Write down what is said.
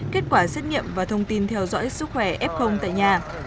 kết quả xét nghiệm và thông tin theo dõi sức khỏe f tại nhà